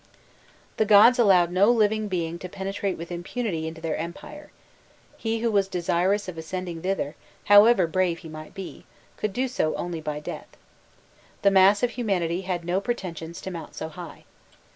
The gods allowed no living being to penetrate with impunity into their empire: he who was desirous of ascending thither, however brave he might be, could do so only by death. The mass of humanity had no pretensions to mount so high.